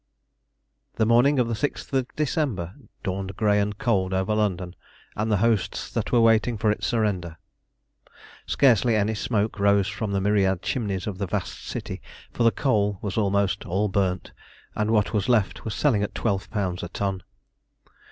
The morning of the 6th of December dawned grey and cold over London and the hosts that were waiting for its surrender. Scarcely any smoke rose from the myriad chimneys of the vast city, for the coal was almost all burnt, and what was left was selling at £12 a ton.